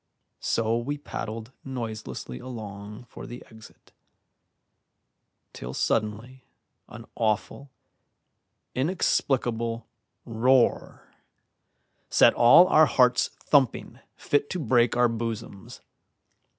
So we paddled noiselessly along for the exit, till suddenly an awful, inexplicable roar set all our hearts thumping fit to break our bosoms.